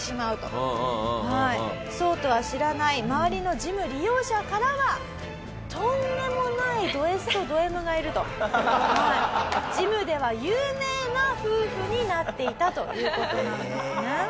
そうとは知らない周りのジム利用者からは「とんでもないドＳとドＭがいる」とジムでは有名な夫婦になっていたという事なんですね。